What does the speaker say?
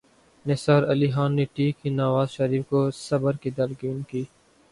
نثار علی خان نے ٹھیک ہی نواز شریف کو صبر کی تلقین کی۔